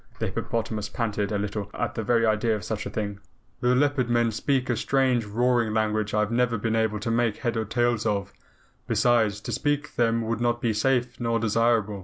The hippopotamus panted a little at the very idea of such a thing. "The Leopard Men speak a strange roaring language I have never been able to make head or tail of. Besides, to speak to them would not be safe nor desirable.